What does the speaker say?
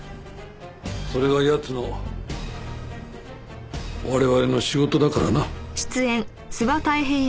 それがやつの我々の仕事だからな。